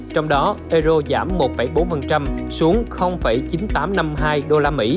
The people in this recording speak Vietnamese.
trong đó euro giảm một bốn xuống chín nghìn tám trăm năm mươi hai usd